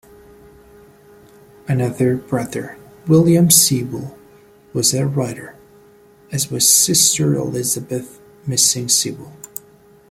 Another brother, William Sewell, was a writer, as was sister Elizabeth Missing Sewell.